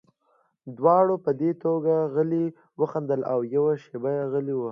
دواړو په دې ټوکه غلي وخندل او یوه شېبه غلي وو